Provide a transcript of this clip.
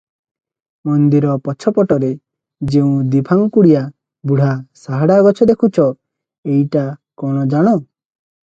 ମନ୍ଦିର ପଛପଟରେ ଯେଉଁ ଦିଫାଙ୍କୁଡିଆ ବୁଢ଼ା ସାହାଡ଼ା ଗଛ ଦେଖୁଛ, ଏଇଟା କଣ ଜାଣ?